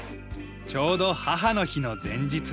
ちょうど母の日の前日。